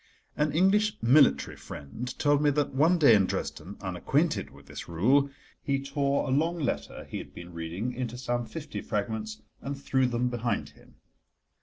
An English military friend told me that, one day in Dresden, unacquainted with this rule, he tore a long letter he had been reading into some fifty fragments and threw them behind him.